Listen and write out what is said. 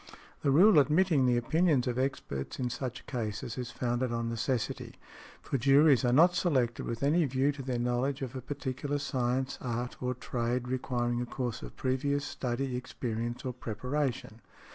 The rule admitting the opinions of experts in such cases is founded on necessity, for juries are not selected with any view to their knowledge of a particular science, art or trade, requiring a course of previous study, experience or preparation .